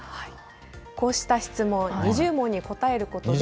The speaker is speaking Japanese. こうした質問、２０問に答えることで。